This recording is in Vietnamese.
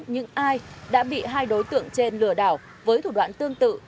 những ai đã bị hai đối tượng trên lừa đảo với thủ đoạn tương tự